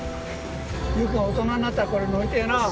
佑くんは大人になったらこれ乗りてえなあ。